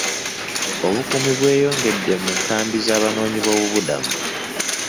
Obukuumi bweyongedde mu nkambi z'Abanoonyiboobubudamu.